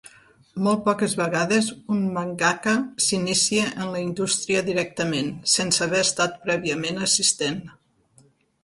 Molt poques vegades un mangaka s'inicia en la indústria directament, sense haver estat prèviament assistent.